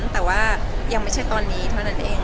แต่ว่ายังไม่ใช่ตอนนี้เท่านั้นเอง